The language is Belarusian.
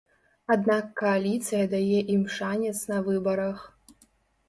Аднак кааліцыя дае ім шанец на выбарах.